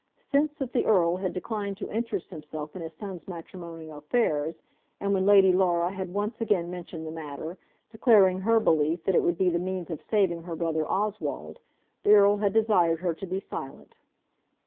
Since that the Earl had declined to interest himself in his son's matrimonial affairs; and when Lady Laura had once again mentioned the matter, declaring her belief that it would be the means of saving her brother Oswald, the Earl had desired her to be silent.